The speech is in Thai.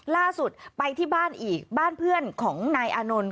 ล่าสุดไปที่บ้านอีกบ้านเพื่อนของนายอานนท์